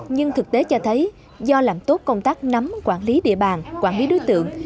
nhưng thực tế cho thấy do làm tốt công tác nắm quản lý địa bàn quản lý đối tượng